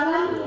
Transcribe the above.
lagi satu lagi